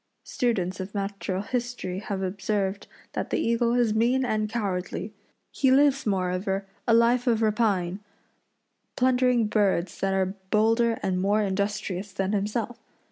Students of natural history have observed that the eagle is mean and cowardly. He lives, moreover, a life of rapine, plundering birds that are bolder and more industrious than himself.